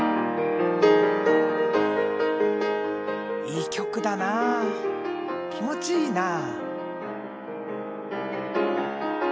いい曲だな気持ちいいなあ。